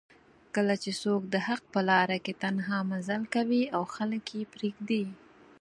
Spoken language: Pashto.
کله چې څوک دحق په لار کې تنها مزل کوي او خلک یې پریږدي